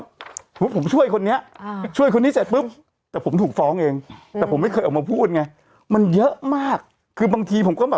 บางทีเหนื่อยไม่อยากไปแตะ